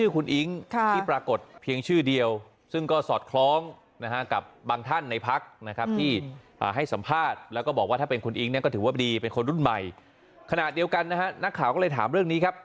ขณะเดียวกันนะฮะนักข่าวก็เลยถามเรื่องนี้ครับ